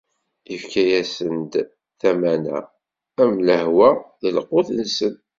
Ifka-asen-d tamana am lehwa, d lqut-nsen.